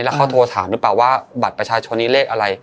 แล้วเขาโทรถามหรือเปล่าว่าบัตรประชาชนนี้เลขอะไร